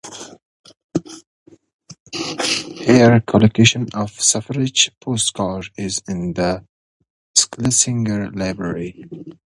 Her collection of suffrage postcards is in the Schlesinger Library.